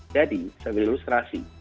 jadi saya berilustrasi